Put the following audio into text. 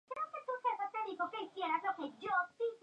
El lema de la revista es "El mundo de los fenómenos extraños".